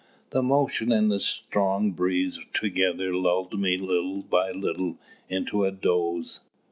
The motion and the strong breeze together lulled me little by little into a doze.